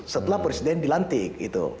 setelah presiden dilantik